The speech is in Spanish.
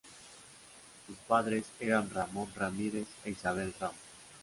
Sus padres eran Ramón Ramírez e Isabel Ramos.